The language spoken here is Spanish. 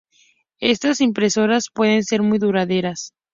Estas impresoras pueden ser muy duraderas.